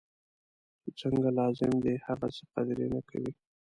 چی څنګه لازم دی هغسې قدر یې نه کوي.